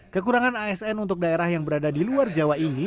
kekurangan asn untuk daerah yang berada di luar jawa ini